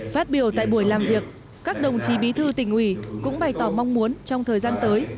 phát biểu tại buổi làm việc các đồng chí bí thư tỉnh ủy cũng bày tỏ mong muốn trong thời gian tới